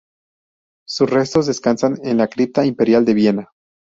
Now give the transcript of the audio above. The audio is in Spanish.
Sus restos descansan en la Cripta Imperial de Viena.